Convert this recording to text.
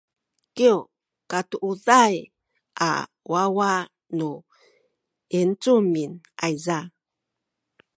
kyu katuuday a wawa nu yincumin ayza